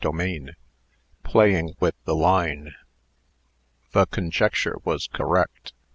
CHAPTER II. PLAYING WITH THE LINE. The conjecture was correct.